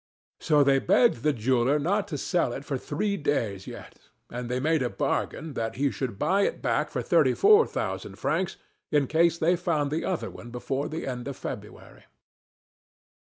So they begged the jeweler not to sell it for three days yet. And they made a bargain that he should buy it back for thirty four thousand francs in case they found the other one before the end of February.